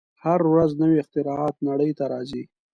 هره ورځ نوې اختراعات نړۍ ته راځي.